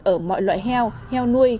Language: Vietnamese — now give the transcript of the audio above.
ở mọi loại heo heo nuôi